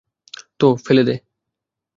তো ফেলে দে।